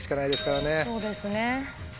そうですね。